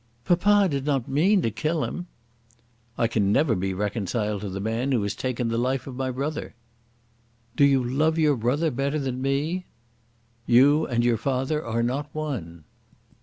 "Papa did not mean to kill him!" "I can never be reconciled to the man who has taken the life of my brother." "Do you love your brother better than me?" "You and your father are not one."